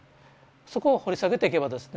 そこを掘り下げていけばですね